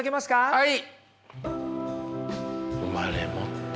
はい。